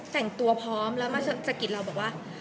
แต่งตัวพร้อมแล้วมาสะกิดเราบอกว่า